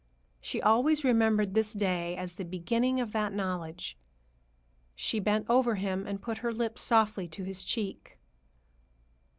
She always remembered this day as the beginning of that knowledge. She bent over him and put her lips softly to his cheek.